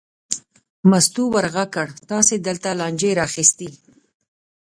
مستو ور غږ کړل: تاسې دلته لانجې را اخیستې.